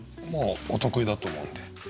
もうお得意だと思うんで。